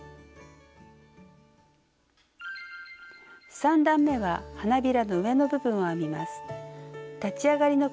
３段めは花びらの上の部分を編みます。